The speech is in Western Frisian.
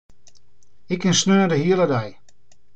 Ik kin saterdei de hiele dei.